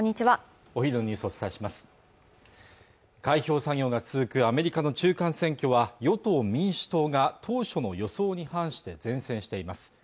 お昼のニュースをお伝えします開票作業が続くアメリカの中間選挙は与党・民主党が当初の予想に反して善戦しています